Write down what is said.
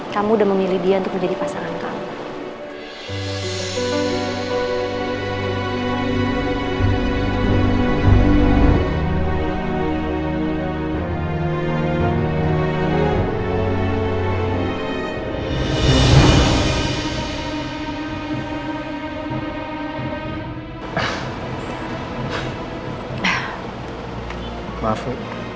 kamu udah memilih dia untuk menjadi pasangan kamu